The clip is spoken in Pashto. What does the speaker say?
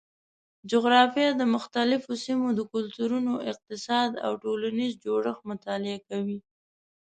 جغرافیه د مختلفو سیمو د کلتورونو، اقتصاد او ټولنیز جوړښت مطالعه کوي.